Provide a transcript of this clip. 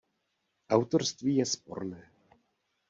Autorství je sporné.